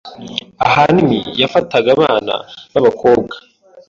ahanini yafataga abana b’abakobwa